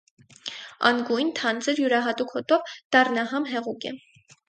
Անգույն, թանձր, յուրահատուկ հոտով դառնահամ հեղուկ է։